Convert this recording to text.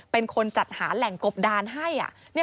เป็นคนจัดหาแหล่งกบดานให้